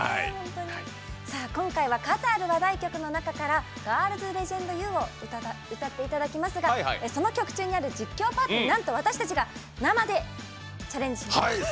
今回は数ある話題曲の中から「ＧＩＲＬＳ＊ＬＥＧＥＮＤＵ」を歌っていただきますがその曲中にある実況パートになんと私たちが生でチャレンジします。